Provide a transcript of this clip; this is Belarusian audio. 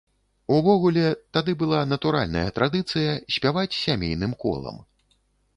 Увогуле, тады была натуральная традыцыя спяваць сямейным колам.